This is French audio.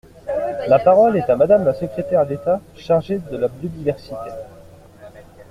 La parole est à Madame la secrétaire d’État chargée de la biodiversité.